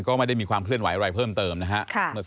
ก็ไม่ได้มีความเคลื่อนไหวอะไรเพิ่มเติมนะครับ